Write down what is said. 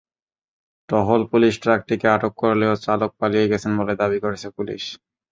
টহল পুলিশ ট্রাকটিকে আটক করলেও চালক পালিয়ে গেছেন বলে দাবি করেছে পুলিশ।